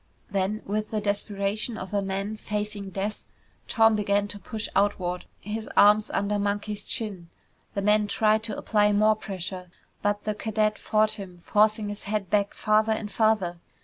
Then, with the desperation of a man facing death, Tom began to push outward, his arms under Monkey's chin. The man tried to apply more pressure but the cadet fought him, forcing his head back farther and farther.